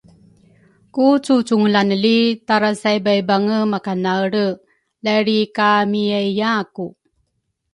ku cucungulaneni tarasaibaibange makanaelre, la lrikamiyaiyaaku.